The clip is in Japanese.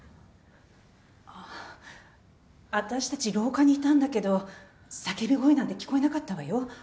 私たち廊下にいたんだけど叫び声なんて聞こえなかったわよ。